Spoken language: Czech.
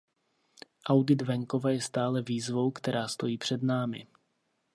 Audit venkova je stále výzvou, která stojí před námi.